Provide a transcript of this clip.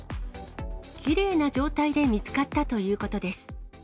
きれいな状態で見つかったということです。